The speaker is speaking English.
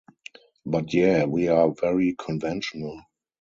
But, yeah, we are very conventional.